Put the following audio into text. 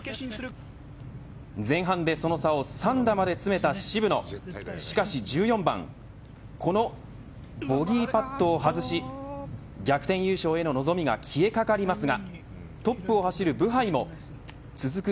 前半でその差を３打まで詰めた渋野しかし１４番このボギーパットを外し逆転優勝への望みが消えかかりますがトップを走るブハイも続く